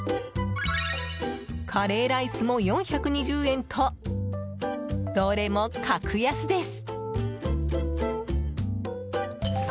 カレーライスも４２０円とどれも格安です。